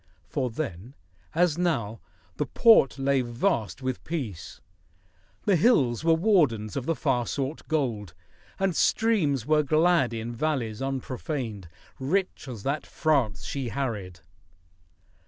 For then, as now, the Port lay vast with peace, The hills were wardens of the far sought gold, And streams were glad in valleys unprofaned, Rich as that France she harried.